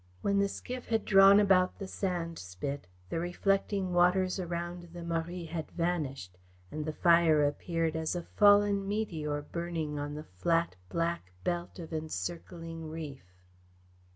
When the skiff had drawn about the sand spit, the reflecting waters around the Marie had vanished, and the fire appeared as a fallen meteor burning on the flat, black belt of encircling reef.